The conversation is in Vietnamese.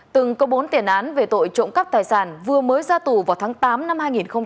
từng có bốn tiền án về tội trộm cắp tài sản vừa mới ra tù vào tháng tám năm hai nghìn hai mươi ba